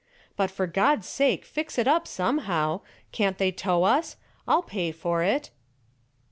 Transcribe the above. "But for God's sake fix it up somehow. Can't they tow us? I'll pay for it."